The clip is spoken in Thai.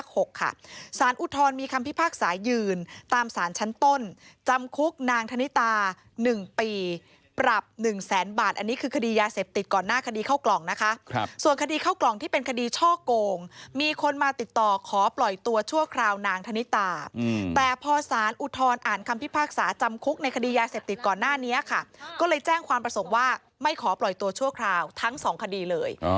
หนึ่งปีปรับหนึ่งแสนบาทอันนี้คือคดียาเสพติดก่อนหน้าคดีเข้ากล่องนะคะครับส่วนคดีเข้ากล่องที่เป็นคดีช่อโกงมีคนมาติดต่อขอปล่อยตัวชั่วคราวนางธนิตาอืมแต่พ่อสารอุตรรอ่านคำพิพากษาจำคุกในคดียาเสพติดก่อนหน้านี้ค่ะก็เลยแจ้งความประสบว่าไม่ขอปล่อยตัวชั่วคราวทั้งสองคดีเลย